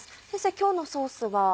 今日のソースは？